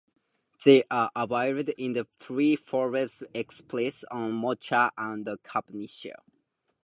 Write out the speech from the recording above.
They are available in three flavours: Espresso, Mocha, and Cappuccino.